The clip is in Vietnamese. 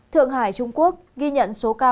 thượng hải trung quốc ghi nhận số ca